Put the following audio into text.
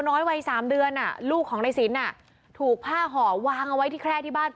น้อยวัย๓เดือนลูกของในสินถูกผ้าห่อวางเอาไว้ที่แคร่ที่บ้าน